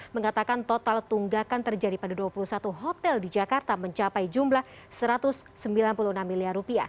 mengatakan total tunggakan terjadi pada dua puluh satu hotel di jakarta mencapai jumlah rp satu ratus sembilan puluh enam miliar